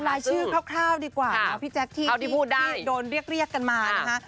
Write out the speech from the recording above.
กลายชื่อคร่าวดีกว่าพี่แจ๊คที่โดนเรียกกันมานะคะ